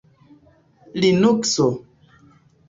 linukso